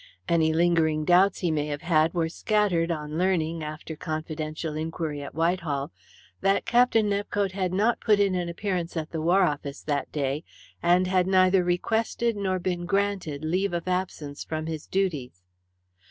Any lingering doubts he may have had were scattered on learning, after confidential inquiry at Whitehall, that Captain Nepcote had not put in an appearance at the War Office that day, and had neither requested nor been granted leave of absence from his duties.